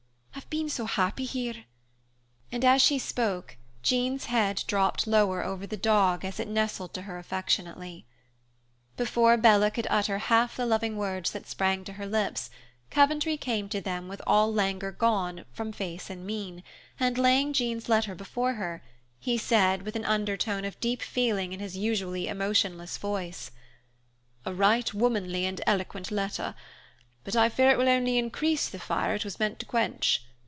I've been so happy here." And as she spoke, Jean's head dropped lower over the dog as it nestled to her affectionately. Before Bella could utter half the loving words that sprang to her lips, Coventry came to them with all languor gone from face and mien, and laying Jean's letter before her, he said, with an undertone of deep feeling in his usually emotionless voice, "A right womanly and eloquent letter, but I fear it will only increase the fire it was meant to quench.